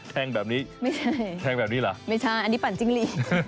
แทงแบบนี้แทงแบบนี้เหรอไม่ใช่อันนี้ปั่นจริงเลย